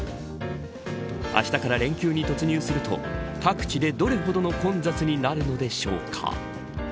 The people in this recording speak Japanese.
あしたから連休に突入すると各地でどれほどの混雑になるのでしょうか。